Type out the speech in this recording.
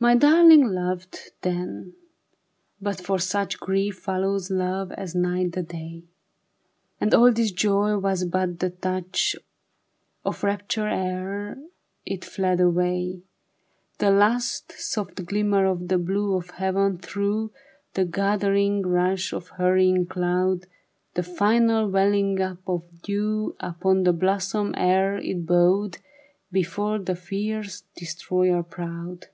My darhng loved, then ; but for such, Grief follows love as night the day ; And all this joy was but the touch Of rapture ere it fled away ; The last, soft glimmer of the blue Of heaven through The gathering rush of hurrying cloud ; The final welling up of dew Upon the blossom ere it bowed Before the fierce destroyer proud.